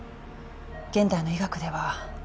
現代の医学では